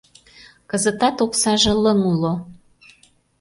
Кызытат оксаже лыҥ уло.